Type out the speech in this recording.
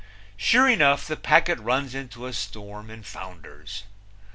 Sure enough, the packet runs into a storm and founders.